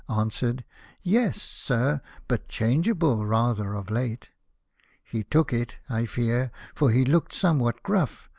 Answered, "Yes, Sir, but changeable rather of late." He took it, I fear, for he looked somewhat gruff.